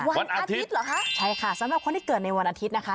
วันอาทิตย์เหรอคะใช่ค่ะสำหรับคนที่เกิดในวันอาทิตย์นะคะ